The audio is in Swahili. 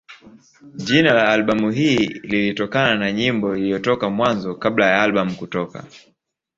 Jina la albamu hii lilitokana na nyimbo iliyotoka Mwanzo kabla ya albamu kutoka.